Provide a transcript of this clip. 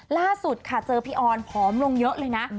ล่าสุดค่ะเจอพี่ออนผอมลงเยอะเลยนะ